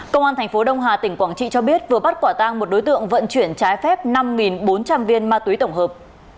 công an thành phố đông hà tỉnh quảng trị cho biết vừa bắt quả tang một đối tượng vận chuyển trái phép năm bốn trăm linh viên ma túy tổng hợp